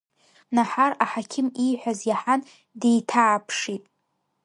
Наҳар аҳақьым ииҳәаз иаҳан деиҭааԥшит.